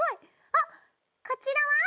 あっこちらは？